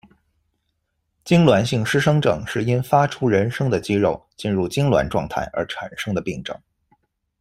痉挛性失声症是因发出人声的肌肉进入痉挛阶段而产生的病症。